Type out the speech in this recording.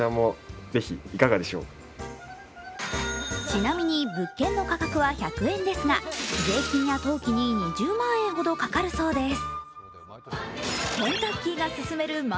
ちなみに物件の価格は１００円ですが、税金や登記に２０万円ほどかかるそうです。